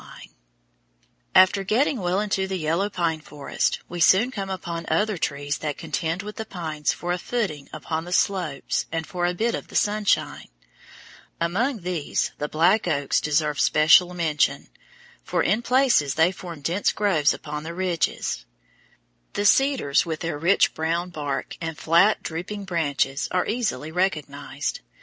124. A YELLOW PINE FOREST] After getting well into the yellow pine forest, we soon come upon other trees that contend with the pines for a footing upon the slopes and for a bit of the sunshine. Among these the black oaks deserve special mention, for in places they form dense groves upon the ridges. The cedars, with their rich brown bark and flat, drooping branches, are easily recognized.